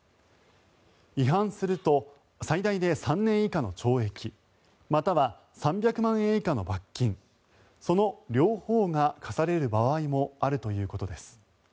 違反すると最大で３年以下の懲役または３００万円以下の罰金その両方が科される場合もあるということです。